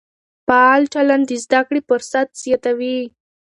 فعال چلند د زده کړې فرصت زیاتوي.